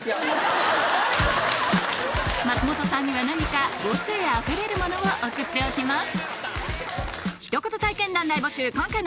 松本さんには何か母性あふれるものを送っておきます